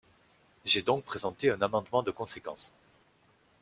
J’ai donc présenté un amendement de conséquence.